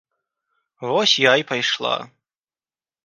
Вось я і пайшла.